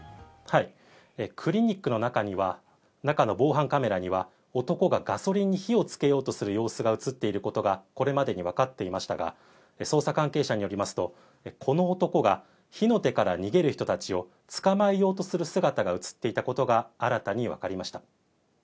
クリニックの中の防犯カメラには男がガソリンに火をつけようとする様子が映っていることがこれまでにわかっていましたが、捜査関係者によりますとこの男が火の手から逃げる人たちを捕まえようとする姿が映っていたことが新たに分かりました。